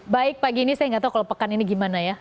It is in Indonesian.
baik pagi ini saya nggak tahu kalau pekan ini gimana ya